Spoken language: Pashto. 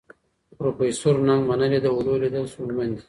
پروفیسور نګ منلې، د اولو لیدل ستونزمن دي.